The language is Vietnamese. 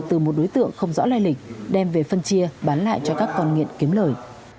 từ một đối tượng không rõ lai lịch đem về phân chia bán lại cho các con nghiện kiếm lời